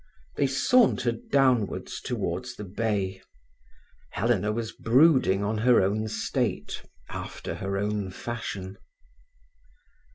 They sauntered downwards towards the bay. Helena was brooding on her own state, after her own fashion.